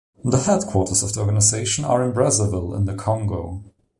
The headquarters of the organisation are in Brazzaville in the Congo.